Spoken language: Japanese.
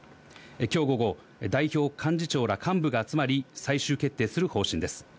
きょう午後、代表、幹事長ら幹部が集まり、最終決定する方針です。